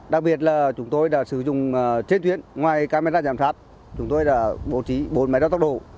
đặc biệt là chúng tôi đã sử dụng trên tuyến ngoài camera giám sát chúng tôi đã bố trí bốn máy đo tốc độ